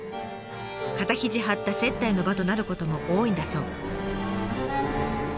肩肘張った接待の場となることも多いんだそう。